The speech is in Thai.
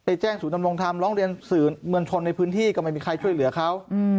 แจ้งศูนยำรงธรรมร้องเรียนสื่อมวลชนในพื้นที่ก็ไม่มีใครช่วยเหลือเขา